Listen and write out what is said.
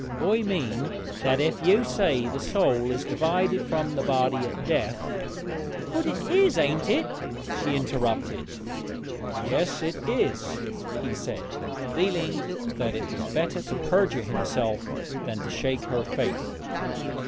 'I mean that if you say the soul is divided from the body at death ' 'But it is ain't it?' she interrupted. 'Yes, it is,' he said, feeling that it was better to perjure himself than to shake her faith.